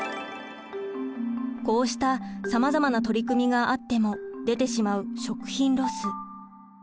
こうしたさまざまな取り組みがあっても出てしまう食品ロス。